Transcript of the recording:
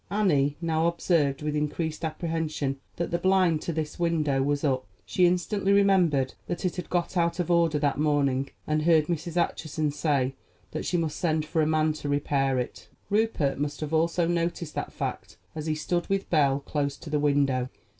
Annie now observed with increased apprehension that the blind to this window was up. She instantly remembered that it had got out of order that morning, and heard Mrs. Acheson say that she must send for a man to repair it. Rupert must have also noticed that fact as he stood with Belle close to the window.